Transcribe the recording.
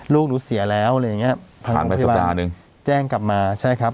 ลูกหนูเสียแล้วอะไรอย่างเงี้ยผ่านไปสัปดาห์หนึ่งแจ้งกลับมาใช่ครับ